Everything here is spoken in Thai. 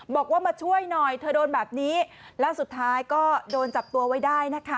บอกว่ามาช่วยหน่อยเธอโดนแบบนี้แล้วสุดท้ายก็โดนจับตัวไว้ได้นะคะ